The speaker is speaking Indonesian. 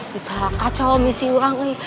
bisa kacau misi orang eh